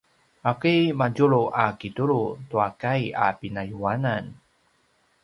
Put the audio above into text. ’aki madjulu a kitulu tua kai a pinayuanan?